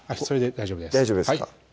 大丈夫です